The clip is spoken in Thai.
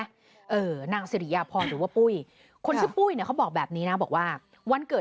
แล้วเราได้ไปแจ้งความกับสำรวจ